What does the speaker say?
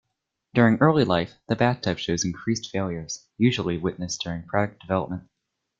During early life, the bathtub shows increased failures, usually witnessed during product development.